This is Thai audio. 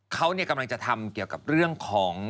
เขากำลังจะทำเกี่ยวกับเรื่องของ